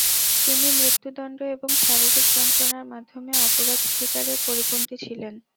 তিনি মৃত্যুদণ্ড এবং শারীরিক যন্ত্রনার মাধ্যমে অপরাধ স্বীকার-এর পরিপন্থী ছিলেন।